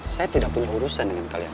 saya tidak punya urusan dengan kalian